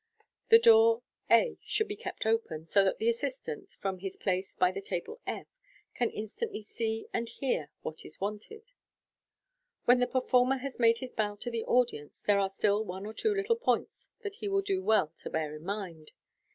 The door a should be kept open, so that the assistant, from his place by the table f, can instantly see and hear what is wanted. When the performer has made his bow to his audience, there arc still one or two little points that he will do well to bear in mind.